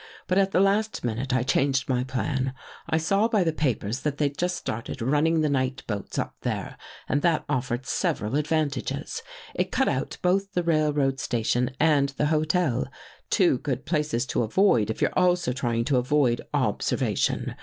But, at the last minute, I changed my plan. I saw by the papers that they'd just started running the night boats up there and that offered several advantages. It cut out both the railway statidn and the hotel — two good places to avoid If you're also trying to avoid observation.